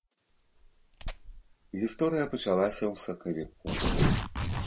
Гісторыя пачалася ў сакавіку.